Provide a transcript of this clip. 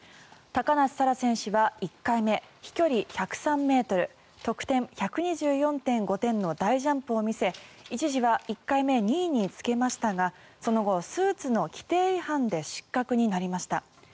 高梨沙羅選手は１回目、飛距離１０３ｍ得点１２４．５点の大ジャンプを見せ一時は１回目、２位につけましたがその後、スーツの規定違反で失格になりました。